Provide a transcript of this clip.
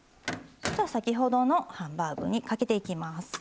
じゃあ先ほどのハンバーグにかけていきます。